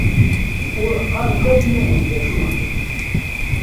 Ur qqar ula i yiwen d acu nxeddem.